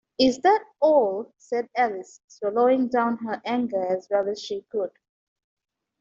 ‘Is that all?’ said Alice, swallowing down her anger as well as she could.